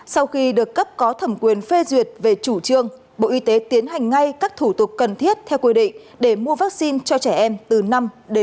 sau khi được cấp có thẩm quyền phê duyệt về chủ trương bộ y tế tiến hành ngay các thủ tục cần thiết theo quy định để mua vaccine cho trẻ em từ năm đến ba mươi